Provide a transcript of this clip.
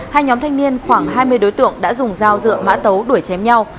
hai nhóm thanh niên khoảng hai mươi đối tượng đã dùng dao dựa mã tấu đuổi chém nhau